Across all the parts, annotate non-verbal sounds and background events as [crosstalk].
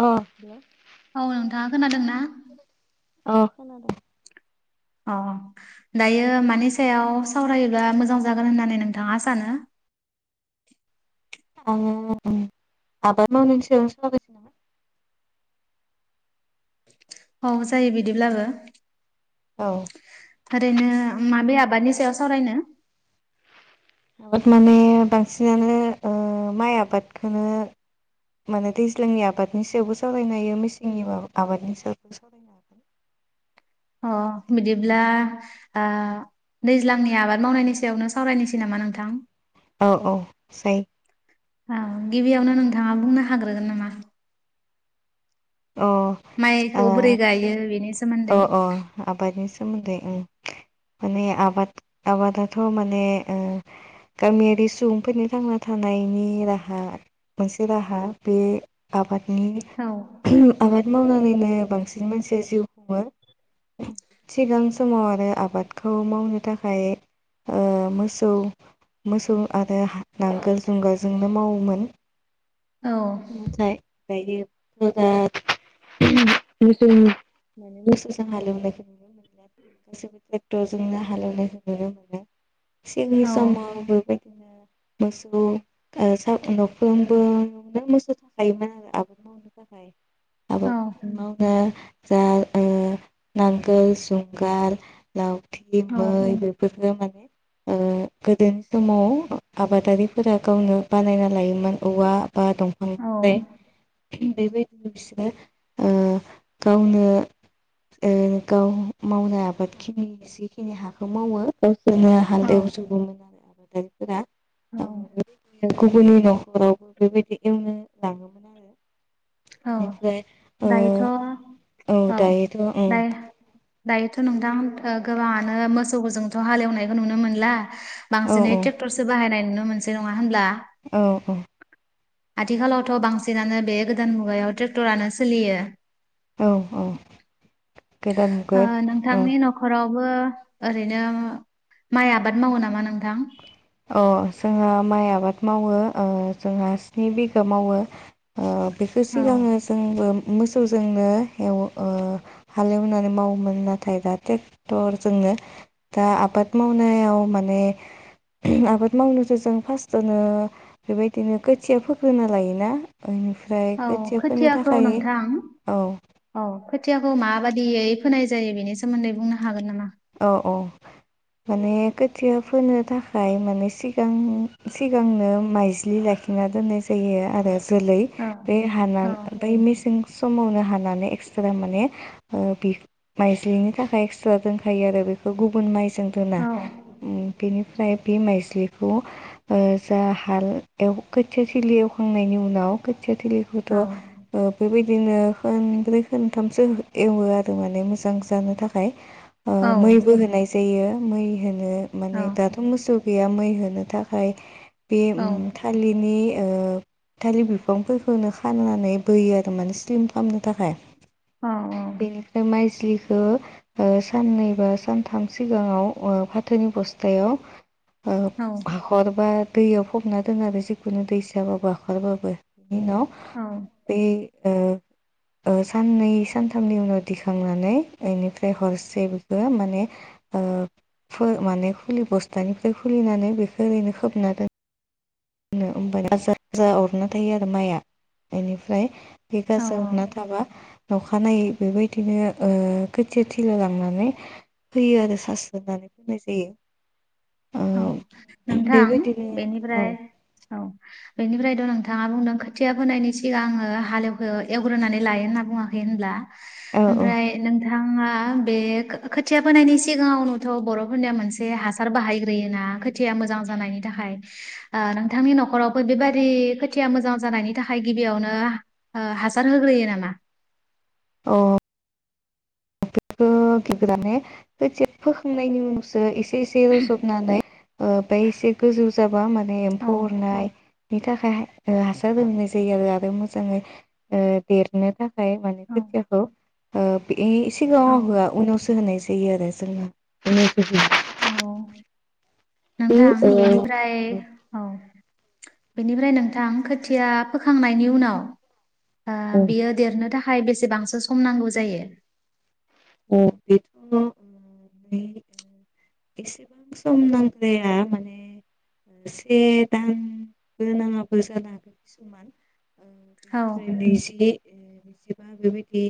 अ hello औ नोंथाङा खोनादोंना औ खोनदों अ दायो मानि सायाव सावरायोब्ला मोजां जागोन होननानै नोंथाङा सानो आङो आबाद मावनायनि सायावनो [unintelligible] औ जायो बिदिब्लाबो औ ओरैनो माबे आ आबादनि सायाव सावरायनो आबाद माने बांसिनानो माइ ओ आबादखौनो माने दैज्लांनि आबादनि सायावबो सावरायनो हायो मेसेंनि आबादनि सायावबो सावरायनो अ बिदिब्ला ओ दैज्लांनि आबाद मावनायनि सायावनो सावरायनोसै नामा नोंथां औ औ जायो ओ गिबियावनो नोंथाङा बुंनो हाग्रोगोन नामा? अ माइखौ ओ बोरै गायो बेनि अ सोमोन्दै? अ आबादनि सोमोनदै ओ माने आबाद आबादाथ' माने ओ गामियारि सुबुंफोरनि थांना थानायनि राहा मोनसे राहा बे आबाद औ आबाद मावनानैनो बांसिन मानसिया जिउ खुङो सिगां समाव आरो आबादखौ मावनो थाखाय ओ मोसौ मोसौ आरो नांगोल जुंगालजोंनो मावोमोन औ [unintelligible] मोसौजों हालेवनायखौ नुनो मोनला गासैबो ट्रेक्टरजोंनो हालेवनायखौ नुनो मोनो सिगांनि औ समाव बेबायदिनो मोसौ ओ सा न'फ्रोमबो मोसौ थाखायोमोन आरो आबाद मावनो थाखाय औ आबाद मावनो जा ओ नांगोल जुंगाल लाव थि औ मै बेफोरफोरखो माने ओ गोदोनि समाव आबादारिफोरा गावनो बानायना लायोमोन औवा बा औ दंफांनिफ्राय बेबायदिनो फिसोरो ओ गावनो गाव मावनाय आबादखिनि जिखिनि हाखौ मावो जोङो औ हालोदाव सुबुं दा [unintelligible] औ औ गुबुननि न'खरावबो बेबायदि एवनो औ लाङोमोन आरो। दायोथ' बेनिफ्राय औ दायो दायोथ' दायोथ' नोंथांमोनखो गोबाङानो मोसौफोरजोंथ हालेवनायखौ नुनो मोनला। औ बांसिनै ट्रेक्टरसो बाहायनाय नुनो मोनो। मोनसे नङा होनोमब्ला। औ औ। आथिखालावथ' बांसिनानो बे गोदान मुगायाव ट्रेक्टरानो सोलियो। औ औ गोदान मुगायाव औ। बो ओरैनो माइ आबाद मावो नामा नोंथां। अ जोंहा माइ आबाद मावो जोंहा स्नि बिगा मावो बेखौ औ सिगाङो जोंबो। मोसौजोंनो हालेवनानै मावोमोन नाथाय दा ट्रेक्टरजोंनो दा आबाद मावनायाव माने आबाद मावनोथ' जों फारसथावनो बेबायदिनो खोथिया फोग्रोना लायोना औ खोथिया फोनो खोथियाखौ थाखाय नोंथां औ औ खोथियाखौ [inaudible] माबादियै फोनाय जायो बेनि सोमोन्दै बुंनो हागोन नामा? औ औ माने खोथिया फोनो थाखाय माने सिगां सिगांनो माइज्लि लाखिना दोननाय जायो आरो। जोलै औ बे औ [unintelligible] बै मेसें समावनो हानानै एक्सट्रा माने बि माइजलिनि थाखाय एकसथ्रा दोन थायो आरो बेखौ गुबुन माइजों जों दोना औ बेनिफ्राय बे माइज्लिखौ ओ जा हाल एव खोथिया थलि एवखांनायनि उनाव खो थिखौथ' औ बेबाय दिनो खब्रै खथामसो एवो आरो माने मोजां जानो थाखाय ओ औ मैबो होनाय जायो। मै। होनो माने औ दाथ' मोसौ गैयामोन मै होनो थाखाय बे औ थालिरनि ओ थालिर बिफांफोरखौनो खानानै बोयो आरो माने स्लिम खालामनो थाखाय। बेनिफ्राय माइ ज्लिखौ ओ साननै बा सानथाम सिगाङाव फाथोनि बस्थायाव ओ औ हाखर बा दैयाव फबना दोन आरो जिखुनु दैसाबाबो हाररबाबो नि उनाव औ बे ओ ओ साननै सानथामनि उनाव दिखांनानै बेनिफ्राय हर से बेखौ माने माने खुलि बस्थानिफ्राय खुलिनानै बेखौ ओरैनो खोबना दोन नो होमबा ना गाजार जाअरना [unintelligible] थायो आरो माइआ बेनिफ्राय बे औ गाजो हरना थाबा अखानायै बेबायदिनो ओ खोथिया थिला लांनानै फैयो आरो सारसोनानै फैनाय जायो। ओ औ नोंथां बेबायदिनो औ बेनिफ्राय औ बेनिफ्रायथ' नोंथाङा बुंदों खोथिया फोनायनि सिगां आङो हालेवखो एवग्रोनानै लायो होनना बुङाखै होनब्ला औ औ ओमफ्राय नोंथाङा आ बे खोथिया फोनायनि सिगाङावनोथ' बर'फोरनिया मोनसे हासार बाहाय होना खोथिया मोजां जानायनि थाखाय आज नोंथांनि न'खरावबो बेबादि खोथिया मोजां जानायनि थाखाय गिबियावनो हासार होग्रोयो नामा? अ बेखो गि गोरान माने खोथिया [unintelligible] फोखांनायनि उनावसो एसे से रजबनानै ओ बै एसे गोजौ जा बा माने औ एम्फौ अरनाय नि थाखाय हासार लोंनाय जायो आरो आरो मोजाङै देरनो था खाय माने औ खोथियाखौ ओ बे औ सिगाङाव होआ उनावसो होनाय जायो आरो जोंना [unintelligible] औ औ नोंथां बेनिफ्राय औ बेनिफ्राय नोंथां खोथिया फोखांनायनि उनाव बियो देरनो था बेसेबांसो सम नांगौ जायो अ बेथ' नै एसेबां सम नांद्राया माने से दान बो नाङाबो जानो हागौ औ गसि [unintelligible] [unintelligible] बेबायदि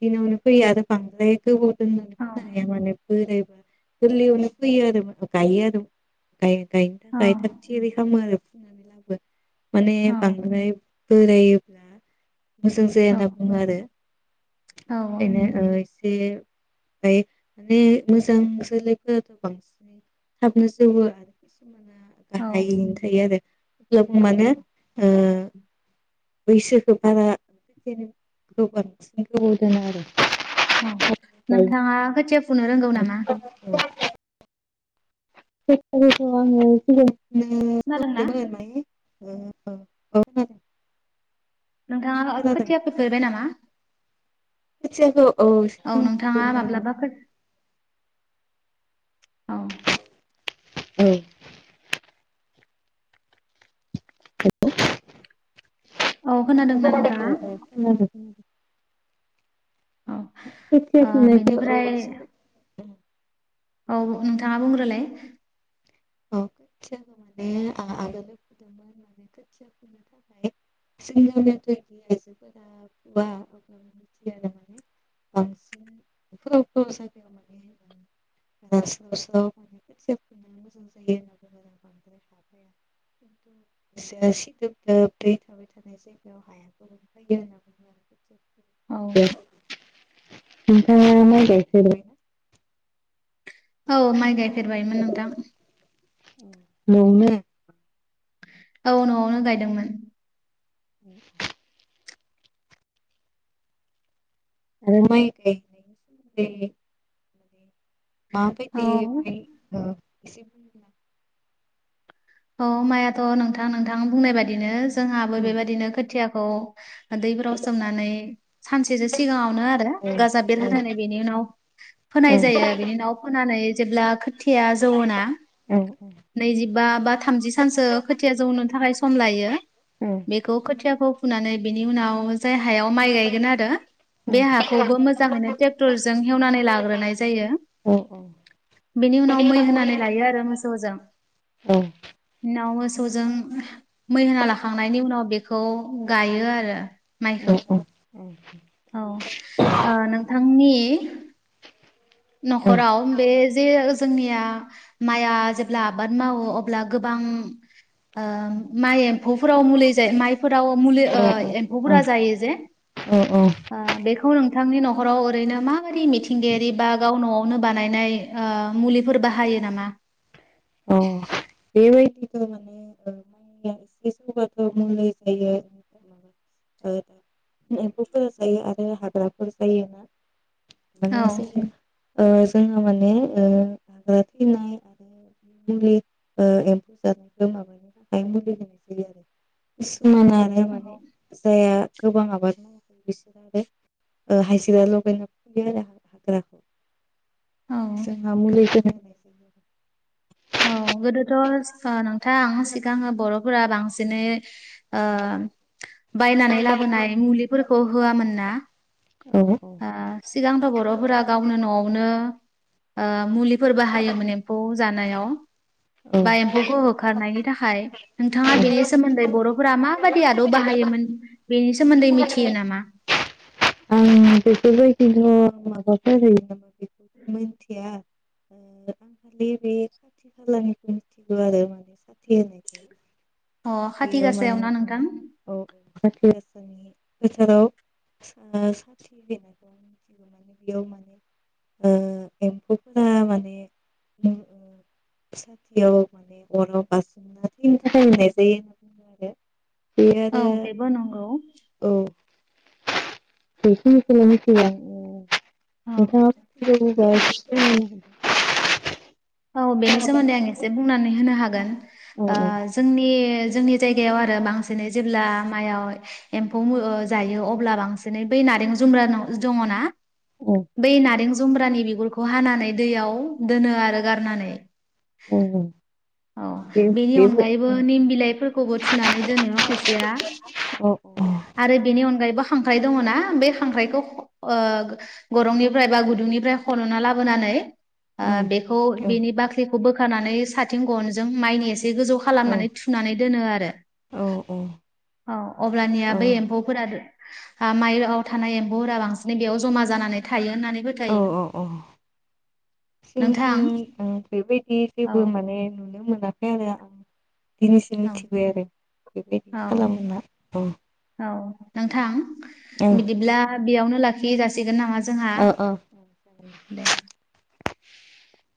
दिनावनो फैयो आरो बां [unintelligible] गोबाव दोननानै औ फोननो हाया माने बोरायबा गोरलैयावनो फैयो आरो गायो आरो गायनो औ थाखाय थाख थियारि खालामो आरो फुनानै लाबो माने औ बांद्राय बोरायोब्ला मोजां जाया होनना बुङो आरो औ बेनो ओइस [unintelligible] माने मोजां जोलैफोराथ' बांसिनै थाबनो जौवौ आरो । औ गाहायैनो थायो आरो । अब्ला मानो बैसोखौ बारा [unintelligible] गोबाव दोना आरो औ औ नोंथाङा खोथिया फुनो बुंनो रोंगौ नामा? खोनादोंना? [unintelligible] [unintelligible] औ औ नोंथाङा खोथिया फैफेरबाय नामा? खोथियाखौ औ [unintelligible] नोंथाङा फुदोंमोन। माब्लाबा औ औ हेल' औ खोनादोंना नोंथाङा? [unintelligible] औ ओ औ बेनिफ्राय [unintelligible] औ नोंथाङा बुंग्रोलाय । [unintelligible] रानस्राव स्राव खोथिया [unintelligible] फैनानै मोजां जायो सि दोबदोब दै थाबाय थानाय जायगायावहाय [unintelligible] औ नोंथाङा माय गायफेरबाय? औ माइ गायफेरबायमोन नोंथां। [unintelligible] औ न'आवनो गायदोंमोन। [inaudible] [unintelligible] माबै [unintelligible] म औ [unintelligible] एसे बुं औ माइयाथ' नोंथां नोंथां बुंनाय बायदिनो जोंहाबो बेबायदिनो खोथिया औ दैफोराव सोमनानै सानसेसो सिगाङावनो आरो गाजा बेबायदिथ' बेरहोनानै बेनि उनाव फोनाय जायो बेनि उनाव फोनानै जेबो खो थिया जौयोना नैजिबा बा थामजि सामसो खोथिया जौनो थाखाय सम लायो बेखौ खोथियाखौ फुनानै बिनि उनाव जाय हायाव माइ गायगोन आरो । बे हाखौबो मोजाङैनो ट्रेक्टर जों हेवनानै लाग्रोनाय जायो । औ औ बेनि उनाव मै होनानै लायो आरो मोसौजों । उनाव मोसौजों मै होना लाखांनायनि उनाव बेखौ गायो आरो माइखौ औ नोंथांनि न'खराव बे जे जोंनिया माइया जेब्ला आबाद मावो अब्ला ओ गोबां माइ एमफौफोराव मुलि जायो माइफोराव मुलि एमफौफोरा जायो जे ओ बेखौ नोंथांनि न'खराव ओरैनो माबोरै मिथिंगायारि बा गाव न'आवनो बानायनाय ओ मुलिफोर बाहायो नामा? बेबाय [unintelligible] मुलि जायो माबा ओ एम्फौफोर जायो आरो हाग्राफोर जायो ना? औ मोननैसो ओ जोंङो माने ओ हाग्रा थैनाय आरो मुलि ओ एमफौ जानायखौ माबानि थाखाय मुलि होनाय जायो आरो । मानोे [unintelligible] मानिे [unintelligible] जाया गोबां आबाद बिसोर ओ हायजिरा लगायना फैयो आरो हाग्राखौ । औ जोंहा मुलिदोनो [unintelligible] [inaudible] औ सिगाङाव बर'फोरा बांसिनै ओ बायनानै लाबोनाय मुलिफोरखौ होयामोन ना । औ ओ सिगांथ' बर'फोरा गावनो न'आवनो ओ मुलिफोर बाहायोमोन एमफौ जानायाव औ बा एमफौखौ होखारनायनि थाखाय नोंथाङा बेनि सोमोनदै बर' फोरा माबादि आदब बाहायोमोन बेनि सोमोनदै मिथियो नामा? आं बेफोरबायदिथ' माबाफोर होयो नामा? बेखौबो मिथिया आं खालि बे खाथि खालानिखौ मिथिगौ आरो माने साथि होनायखौ अ । खाथि इयाव गासायाव माने ना नोंथां औ ओ खाथि गा नि फोथाराव ओ साथि होननायखौ मिथिगौन [unintelligible] बेयाव माने ओ एमफौफोरा माने ओ साथियाव माने अराव बारसोमना थैनो थाखाय [unintelligible] औ बेबो नंगौ। बेखिनिखोनो मिथियो औ बे [inaudible] औ बेनि सोमोनदै आं एसे बुंनानै होनो हा हागोन ओ फोरमायना होदो जोंनि जोंनि जायगायाव आरो बांसिनै जेब्ला माइआव एमफौ ओ जायो अब्ला बांसिनै बै नारें जुमब्रा दङना? बै नारें जुमब्रानि बिगुरखौ हानानै दैयाव दोनो आरो गारनानै औ औ औ बे बेनि बेबो अनगायैबो निम बिलाइफोरखौबो थुनानै दोनो खायसेया औ आरो बेनि अनगायैबो खांख्राइ दङना बे खांख्राइखौ ओ गरंनिफ्राय बा गुदुंनिफ्राय खन'ना लाबोनानै आ उम बे औ औ बेनि बाखलि खौ बोखानानै साथिं गनजों माइनि एस से गोजौ औ खालामनानै थुनानै दोनो आरो औ अब्लानिया बै एमफौफोरा आ माइयाव थानाय एमबौफोरा बांसिनै बेयाव जमा जानानै थायो। नानै औ फोथायो औ नों [unintelligible] बेबायदि जेबो माने मोनाखै आरो आ दिनैसो औ मिथिबाय आरो बेबायदि औ खालामो होनना अ औ नोंथां बिदिब्ला बेयावनो लाखि जासिगोन नामा जोंहा औ औ दे [inaudible]